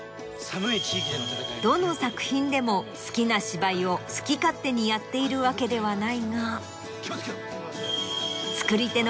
どの作品でも「好きな芝居」を好き勝手にやっているわけではないが。